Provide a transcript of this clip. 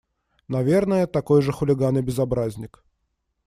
Наверное, такой же хулиган и безобразник.